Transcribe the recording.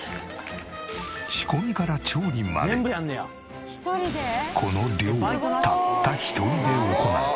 仕込みから調理までこの量をたった一人で行う。